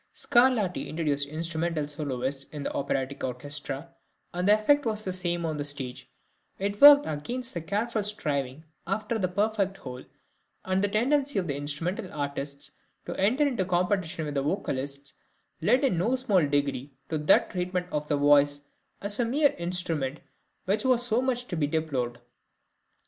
Scarlatti introduced instrumental soloists in the operatic orchestra, and the effect was the same as on the stage; it worked against the careful striving after a perfect whole, and the tendency of the instrumental artists to enter into competition with the vocalists led in no small degree to that treatment of the voice as a mere instrument which was so much to be deplored.